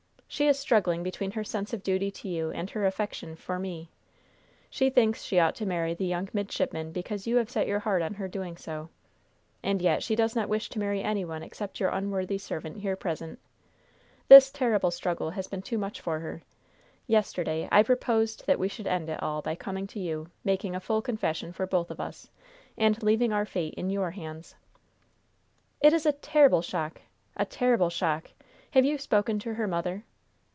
"She is struggling between her sense of duty to you and her affection for me. She thinks she ought to marry the young midshipman because you have set your heart on her doing so; and yet she does not wish to marry any one except your unworthy servant here present. This terrible struggle has been too much for her. Yesterday I proposed that we should end it all by coming to you, making a full confession for both of us, and leaving our fate in your hands." "It is a terrible shock! a terrible shock! Have you spoken to her mother?"